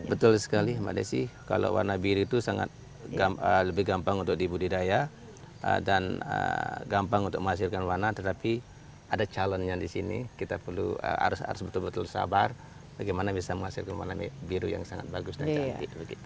betul sekali mbak desi kalau warna biru itu sangat lebih gampang untuk dibudidaya dan gampang untuk menghasilkan warna tetapi ada calonnya di sini kita perlu harus betul betul sabar bagaimana bisa menghasilkan warna biru yang sangat bagus dan cantik